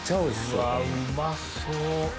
うわうまそう。